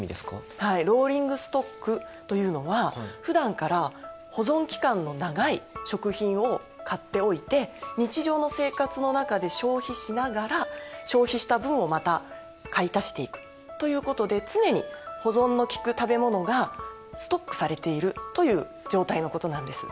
はいローリングストックというのはふだんから保存期間の長い食品を買っておいて日常の生活の中で消費しながら消費した分をまた買い足していくということで常に保存のきく食べ物がストックされているという状態のことなんです。